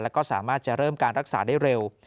แล้วก็สามารถจะเริ่มการรักษาได้เร็ว